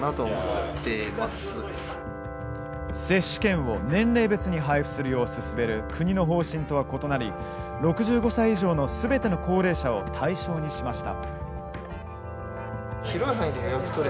接種券を年齢別に配布するようすすめる国の方針とは異なり６５歳以上すべての高齢者を対象にしました。